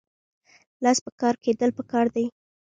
لاس په کار کیدل پکار دي